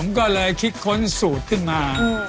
ก็เลยคิดค้นสูตรขึ้นมา